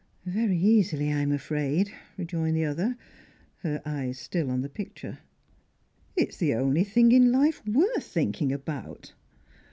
"Very easily, I'm afraid," rejoined the other, her eyes still on the picture. "It's the only thing in life worth thinking about!"